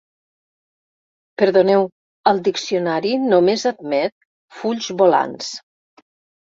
Perdoneu, al diccionari només admet fulls volants.